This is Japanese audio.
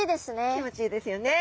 気持ちいいですよね。